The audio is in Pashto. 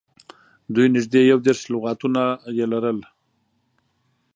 دوی نږدې یو دېرش لغاتونه یې لرل.